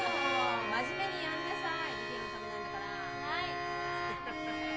真面目にやんなさい。